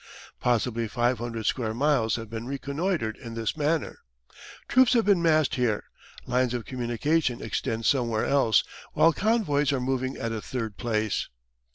Possibly five hundred square miles have been reconnoitred in this manner. Troops have been massed here, lines of communication extend somewhere else, while convoys are moving at a third place.